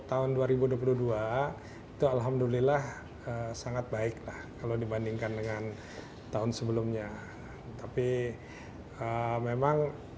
tahun dua ribu dua puluh dua itu alhamdulillah sangat baik lah kalau dibandingkan dengan tahun sebelumnya tapi memang